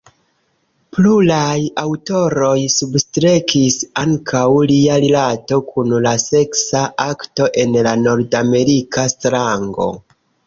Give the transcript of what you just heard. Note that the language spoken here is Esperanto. Pluraj aŭtoroj substrekis ankaŭ lia rilato kun la seksa akto en la nordamerika slango.